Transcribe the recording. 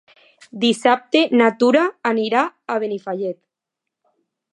Dissabte na Tura anirà a Benifallet.